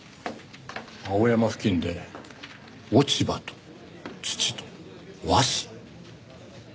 青山付近で落ち葉と土と和紙？